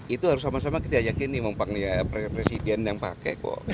itu harus sama sama kita yakin nih memang presiden yang pakai kok